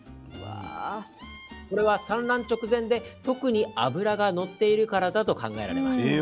これは産卵直前で特に脂がのっているからだと考えられます。